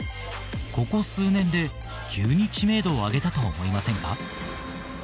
ここ数年で急に知名度を上げたと思いませんか？